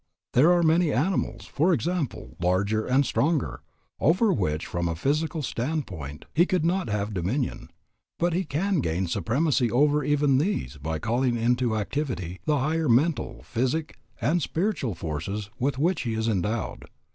There are many animals, for example, larger and stronger, over which from a physical standpoint he would not have dominion, but he can gain supremacy over even these by calling into activity the higher mental, psychic, and spiritual forces with which he is endowed.